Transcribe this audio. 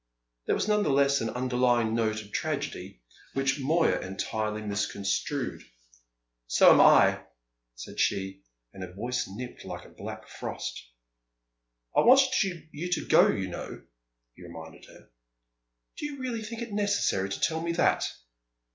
There was none the less an underlying note of tragedy which Moya entirely misconstrued. "So am I," said she; and her voice nipped like a black frost. "I wanted you to go, you know!" he reminded her. "Do you really think it necessary to tell me that?"